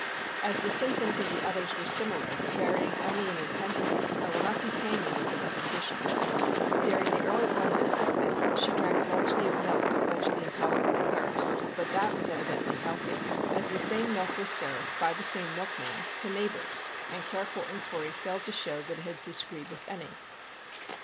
As the symptoms of the others were similar, varying only in intensity, I will not detain you with the repetition. During the early part of the sickness she drank largely of milk to quench the intolerable thirst, but that was evidently healthy, as the same milk was served by the same milkman to neigh POISONING BY CANNED GOODS. 57 bors, and careful inquiry failed to show that it had disagreed with any.